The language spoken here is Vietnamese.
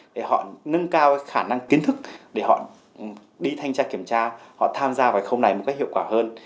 để họ nâng cao khả năng kiến thức để họ đi thanh tra kiểm tra họ tham gia vào khâu này một cách hiệu quả hơn